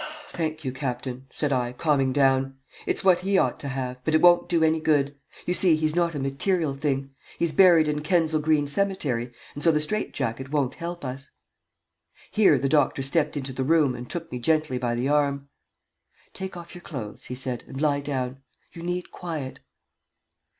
"Thank you, captain," said I, calming down. "It's what he ought to have, but it won't do any good. You see, he's not a material thing. He's buried in Kensal Green Cemetery, and so the strait jacket won't help us." Here the doctor stepped into the room and took me gently by the arm. "Take off your clothes," he said, "and lie down. You need quiet."